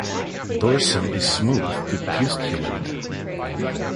Dorsum is smooth to pustulate.